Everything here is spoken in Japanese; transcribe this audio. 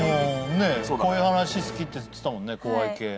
こういう話好きって言ってたもんね怖い系。